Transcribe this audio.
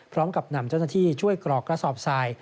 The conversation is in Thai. พร้อมกับนำเจ้าหน้าที่ช่วยกรอกกระสอบทราย